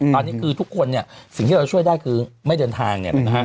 ตอนนี้ก็ทุกคนสิ่งที่เราช่วยได้นี่ไม่เดินทาง